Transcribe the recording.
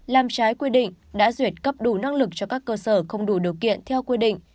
làm trái quy định đã duyệt cấp đủ năng lực cho các cơ sở không đủ điều kiện theo quy định